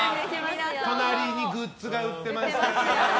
隣にグッズが売ってます。